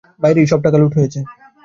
বাইরের সব টাকাই লুট হয়েছে।